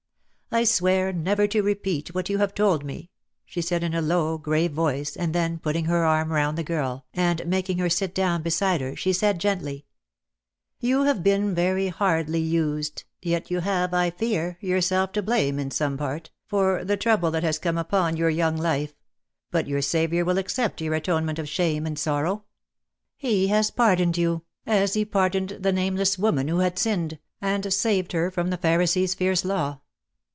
"I swear never to repeat what you have told me," she said, in a low grave voice, and then, put ting her arm round the girl, and making her sit down beside her, she said gently: "You have been very hardly used — yet you have, I fear, yourself to blame in some part, for the trouble that has come upon your young life — but your Saviour will accept your atonement of shame and sorrow. He has pardoned you, as He pardoned the nameless woman who had 46 DEAD LOVE HAS CHAINS. sinned, and saved her from the Pharisees* fierce law.